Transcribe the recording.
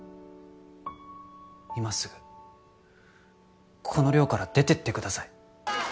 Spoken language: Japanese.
今すぐこの寮から出てってください